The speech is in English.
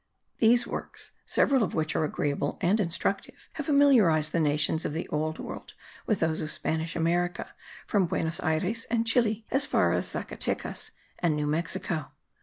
These works, several of which are agreeable and instructive, have familiarized the nations of the Old World with those of Spanish America, from Buenos Ayres and Chili as far as Zacatecas and New Mexico.